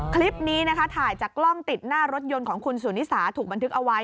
คลิปนี้นะคะถ่ายจากกล้องติดหน้ารถยนต์ของคุณสุนิสาถูกบันทึกเอาไว้